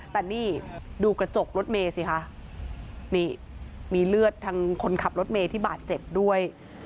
แต่นี่ดูกระจกรถเมย์สิคะนี่มีเลือดทางคนขับรถเมย์ที่บาดเจ็บด้วย